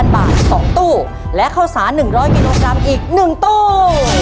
บาท๒ตู้และข้าวสาร๑๐๐กิโลกรัมอีก๑ตู้